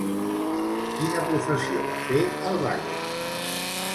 Quina professió va fer al Bages?